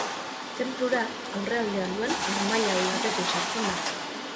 Tenplura, aurrealdean duen harmailadi batetik sartzen da.